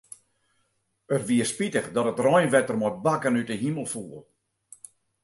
It wie spitich dat it reinwetter mei bakken út 'e himel foel.